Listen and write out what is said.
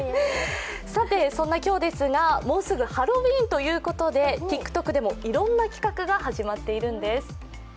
そんな今日ですがもうすぐハロウィーンということでＴｉｋＴｏｋでもいろんな企画が始まっているんです。